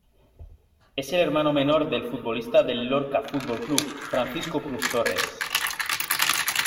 Es el hermano menor del futbolista del Lorca Fútbol Club, Francisco Cruz Torres.